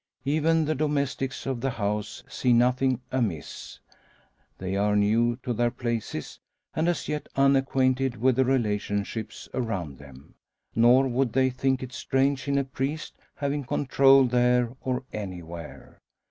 Even the domestics of the house see nothing amiss. They are new to their places, and as yet unacquainted with the relationships around them. Nor would they think it strange in a priest having control there or anywhere.